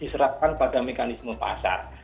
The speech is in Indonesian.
diserapkan pada mekanisme pasar